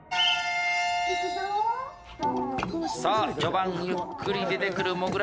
さあ序盤ゆっくり出てくるもぐらたち。